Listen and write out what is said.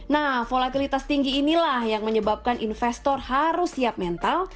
nah volatilitas tinggi inilah yang menyebabkan investor harus siap mental